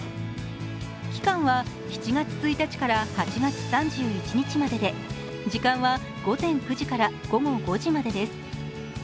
期間は７月１日から８月３１日までで時間は午前９時から午後５時までです。